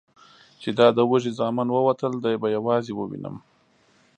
چې دا د وږي زامن ووتل، دی به یوازې ووینم؟